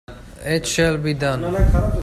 It shall be done!